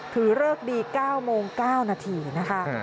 เริกดี๙โมง๙นาทีนะคะ